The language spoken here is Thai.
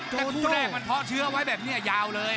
เจ้าแรกมันเถาะเชื้อไว้แบบนี้ยาวเลย